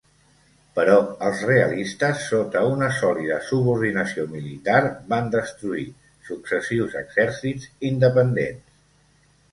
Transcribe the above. Però els realistes, sota una sòlida subordinació militar, van destruir successius exèrcits independents.